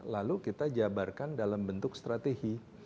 lalu kita jabarkan dalam bentuk strategi